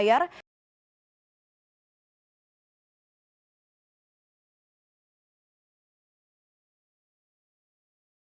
terima kasih pak